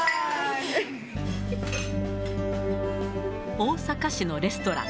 大阪市のレストラン。